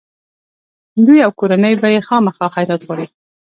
دوی او کورنۍ به یې خامخا خیرات غواړي.